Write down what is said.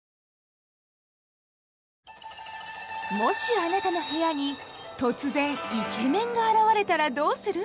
もしあなたの部屋に突然イケメンが現れたらどうする？